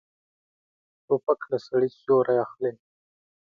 توپک له سړي سیوری اخلي.